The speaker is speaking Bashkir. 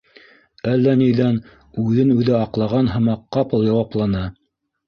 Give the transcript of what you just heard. Әллә ниҙән үҙен-үҙе аҡлаған һымаҡ, ҡапыл яуапланы: